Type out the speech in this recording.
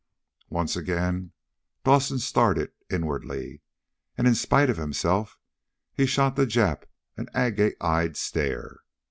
Once again Dawson started inwardly, and in spite of himself he shot the Jap an agate eyed stare.